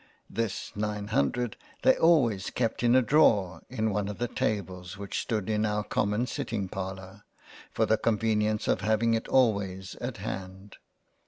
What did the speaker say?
This nine Hundred, they always kept in a Drawer in one of the Tables which stood in our common sitting Parlour, for the conveni ence of having it always at Hand.